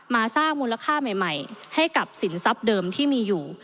สร้างมูลค่าใหม่ให้กับสินทรัพย์เดิมที่มีอยู่